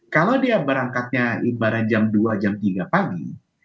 kalau dia berangkatnya ibarat jam dua jam tiga pagi